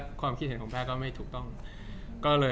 จากความไม่เข้าจันทร์ของผู้ใหญ่ของพ่อกับแม่